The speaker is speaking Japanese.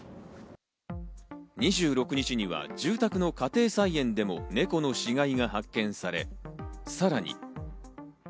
２６日には住宅の家庭菜園でも猫の死骸が発見され、さらに。